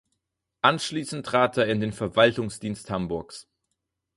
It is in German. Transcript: Anschließend trat er in den Verwaltungsdienst Hamburgs.